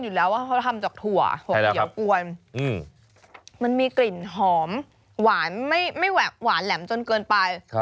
อยู่แล้วว่าเขาทำจากถั่วถั่วเขียวกวนมันมีกลิ่นหอมหวานไม่หวานแหลมจนเกินไป